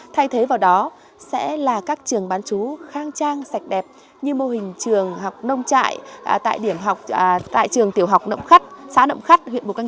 thay thế vào đó sẽ là các trường bán chú khang trang sạch đẹp như mô hình trường học nông trại tại trường tiểu học xá nộm khắt